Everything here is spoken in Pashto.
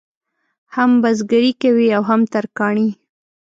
هم بزګري کوي او هم ترکاڼي.